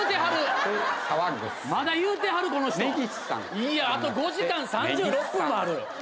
いやあと５時間３６分もある。